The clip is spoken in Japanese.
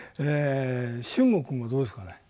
春吾君はどうですかね。